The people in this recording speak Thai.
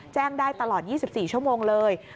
แจ้งได้ตลอด๒๔ชั่วโมงเลย